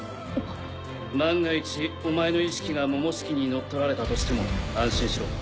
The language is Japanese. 万が一お前の意識がモモシキに乗っ取られたとしても安心しろ。